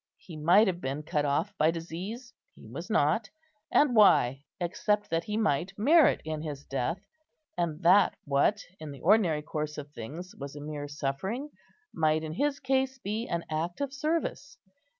He might have been cut off by disease; he was not; and why, except that he might merit in his death, and that what, in the ordinary course of things, was a mere suffering, might in his case be an act of service?